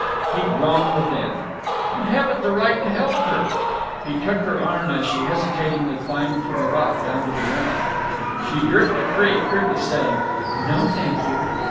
He groaned within, "I haven't the right to help her." He took her arm as she hesitatingly climbed from the rock down to the ground. She jerked it free, curtly saying, "No, thank you."